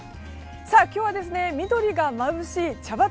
今日は、緑がまぶしい茶畑。